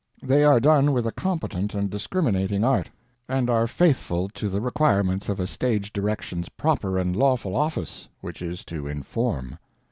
They are done with a competent and discriminating art, and are faithful to the requirements of a stage direction's proper and lawful office, which is to inform.